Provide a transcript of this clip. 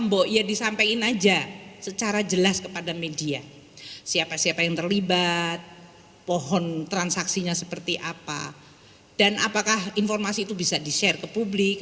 mbak ia disampaikan saja secara jelas kepada media siapa siapa yang terlibat pohon transaksinya seperti apa dan apakah informasi itu bisa di share ke publik